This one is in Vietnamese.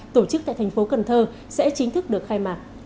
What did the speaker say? tổ chức tại thành phố cần thơ sẽ chính thức được khai mạc